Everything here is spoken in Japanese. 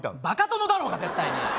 バカ殿だろうが絶対に。